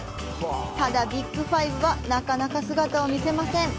ただ、ビッグ５はなかなか姿を見せません。